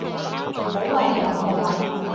好胃口各位！